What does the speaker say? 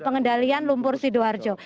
pengendalian lumpur sidoarjo